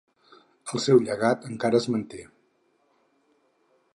El seu llegat encara es manté.